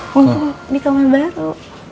waktu di kamar baru